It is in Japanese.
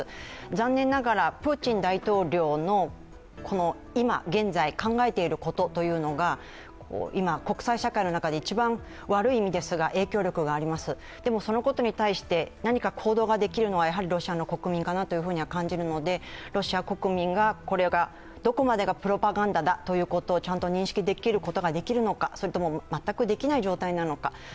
残念ながらプーチン大統領の今現在、考えていることが今、国際社会の中で一番悪い意味ですが影響力があります、でもそのことに対して、何か行動ができるのはやはりロシアの国民かなと感じるので、ロシア国民がこれがどこまでがプロパガンダだということがちゃんと認識することができるのか、それとも全くできない状態なのか。